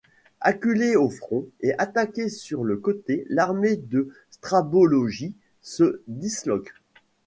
Acculée au front et attaqué sur le côté, l’armée de Strathbologie se disloque.